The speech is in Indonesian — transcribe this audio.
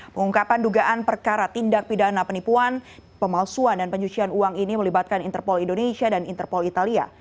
pengungkapan dugaan perkara tindak pidana penipuan pemalsuan dan penyusuan uang ini melibatkan interpol indonesia dan interpol italia